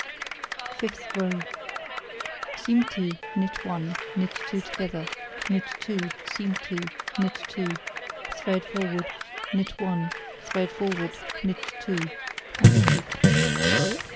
Fifth row: Seam 2, knit 1, knit 2 together, knit 2, seam 2, knit 2, thread forward, knit 1, thread forward, knit 2, and repeat.